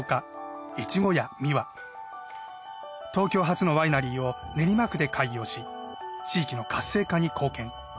東京初のワイナリーを練馬区で開業し地域の活性化に貢献。